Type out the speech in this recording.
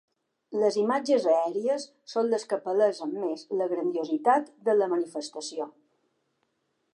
Les imatges aèries són les que palesen més la grandiositat de la manifestació.